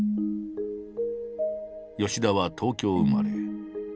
吉田は東京生まれ。